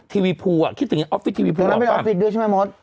ทีวีพูลอะคิดถึงออฟฟิตทีวีพูลออกมาที่นั่นเป็นออฟฟิตด้วยใช่ไหมมด